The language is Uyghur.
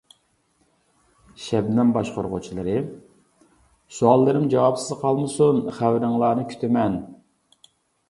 شەبنەم باشقۇرغۇچىلىرى : سوئاللىرىم جاۋابسىز قالمىسۇن، خەۋىرىڭلارنى كۈتىمەن!